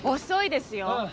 遅いですよ。